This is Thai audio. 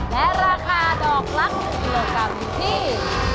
และราคาดอกลักษณ์๑กิโลกรัมอยู่ที่